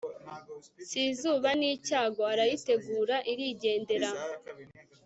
si izuba ni icyago! arayitegura irigendera